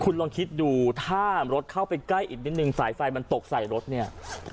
คุณลองคิดดูถ้ารถเข้าไปใกล้อีกนิดนึงสายไฟมันตกใส่รถเนี่ย